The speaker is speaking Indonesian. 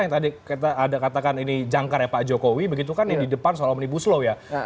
yang tadi kita ada katakan ini jangkar ya pak jokowi begitu kan yang di depan soal omnibus law ya